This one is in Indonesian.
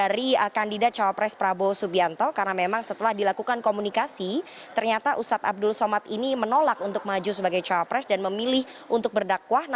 rifana pratiwi akan menyampaikan informasinya langsung dari gedebuk